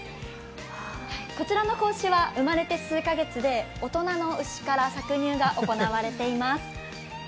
こちらの子牛は生まれて数カ月で大人の牛から搾乳が行われています。